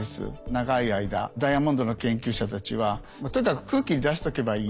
長い間ダイヤモンドの研究者たちはとにかく空気に出しとけばいいっていうね